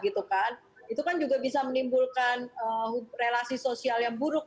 itu kan juga bisa menimbulkan relasi sosial yang buruk